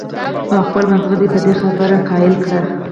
او خپل مازغۀ پۀ دې خبره قائل کړي